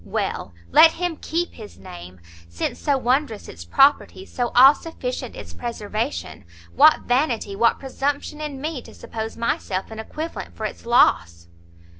Well, let him keep his name! since so wondrous its properties, so all sufficient its preservation, what vanity, what presumption in me, to suppose myself an equivalent for its loss!"